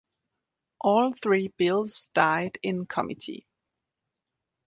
All three bills died in committee.